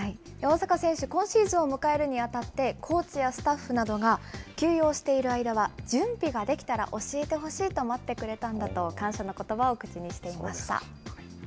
大坂選手、今シーズンを迎えるにあたって、コーチやスタッフなどが休養している間は、準備が出来たら教えてほしいと待ってくれたんだと、感謝のことばを口にしていました。